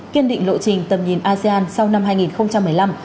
kiên định lộ trình tầm nhìn asean sau năm hai nghìn một mươi năm